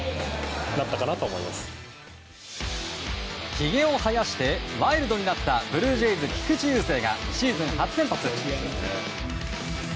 ひげを生やしてワイルドになったブルージェイズ、菊池雄星がシーズン初先発。